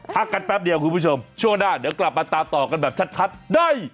พักกันแป๊บเดียวคุณผู้ชมช่วงหน้าเดี๋ยวกลับมาตามต่อกันแบบชัดได้